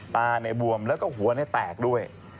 ตาในบวมแล้วก็หัวแตกด้วย